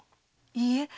いいえ。